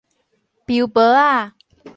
彪婆仔